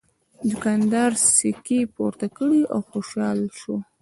دوکاندار سکې پورته کړې او خوشحاله شو.